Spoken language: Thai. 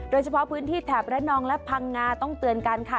โดยเฉพาะพื้นที่แถบระนองและพังงาต้องเตือนกันค่ะ